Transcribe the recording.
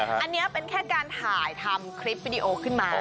อันนี้เป็นแค่การถ่ายทำคลิปวิดีโอขึ้นมา